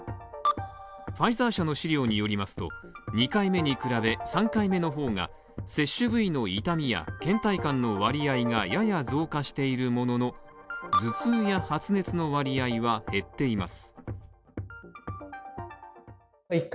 ファイザー社の資料によりますと、２回目に比べ３回目の方が、接種部位の痛みや倦怠感の割合がやや増加しているものの、頭痛や発熱の割合は減っています。